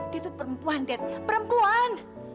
dia tuh perempuan dia perempuan